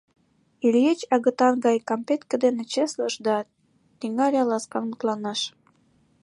Ильич агытан гай кампетке дене чеслыш да тӱҥале ласкан мутланаш.